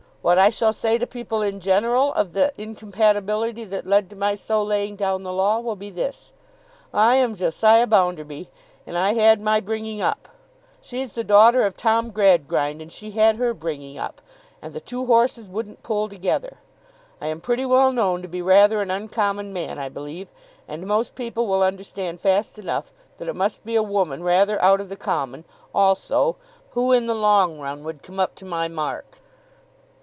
What I shall say to people in general, of the incompatibility that led to my so laying down the law, will be this. I am Josiah Bounderby, and I had my bringing up; she's the daughter of Tom Gradgrind, and she had her bringing up; and the two horses wouldn't pull together. I am pretty well known to be rather an uncommon man, I believe; and most people will understand fast enough that it must be a woman rather out of the common, also, who, in the long run, would come up to my mark.